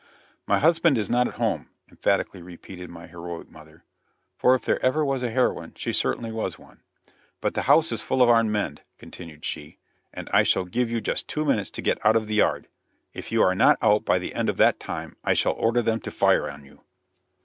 "My husband is not at home," emphatically repeated my heroic mother for if there ever was a heroine she certainly was one "but the house is full of armed men," continued she, "and I'll give you just two minutes to get out of the yard; if you are not out by the end of that time I shall order them to fire on you."